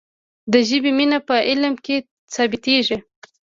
د ژبې مینه په عمل کې ثابتیږي.